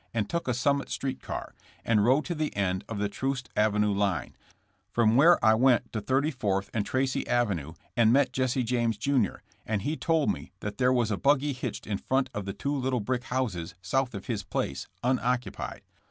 and took a Summit street car, and rode to the end of the Troost avenue line, from where I went to Thirty fourth and Tracy avenue and met Jesse James, jr., and he told me that there was a buggy hitched in front of the two little brick houses south of his place, unoccupied.